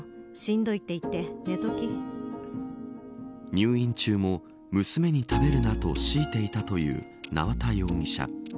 入院中も娘に食べるなと強いていたという縄田容疑者。